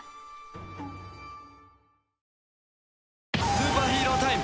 スーパーヒーロータイム。